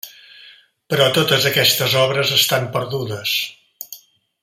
Però totes aquestes obres estan perdudes.